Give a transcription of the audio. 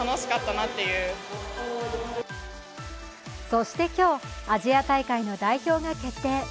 そして今日、アジア大会の代表が決定。